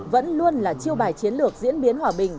vẫn luôn là chiêu bài chiến lược diễn biến hòa bình